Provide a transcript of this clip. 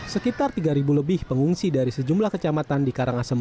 sekitar tiga lebih pengungsi dari sejumlah kecamatan yang berada di kota ini